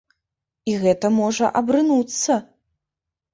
І гэта можа абрынуцца!